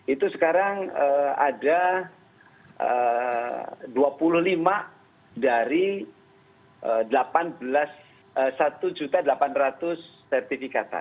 itu sekarang ada dua puluh lima dari delapan belas satu delapan ratus sertifikat